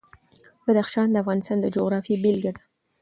بدخشان د افغانستان د جغرافیې بېلګه ده.